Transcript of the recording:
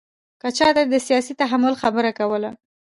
که چاته دې د سیاسي تحمل خبره کوله.